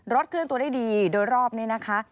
เคลื่อนตัวได้ดีโดยรอบนี้นะคะ